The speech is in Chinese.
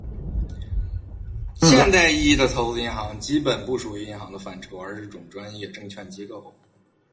现代意义的投资银行基本不属于银行的范畴，而是种专业证券机构。